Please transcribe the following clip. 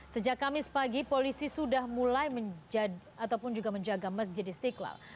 sejak kamis pagi polisi sudah mulai menjaga masjid istiqlal